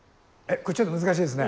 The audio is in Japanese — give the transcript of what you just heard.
これちょっと難しいですね。